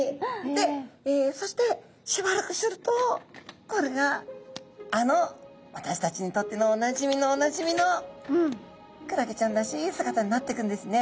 でそしてしばらくするとこれがあの私たちにとってのおなじみのおなじみのクラゲちゃんらしい姿になっていくんですね。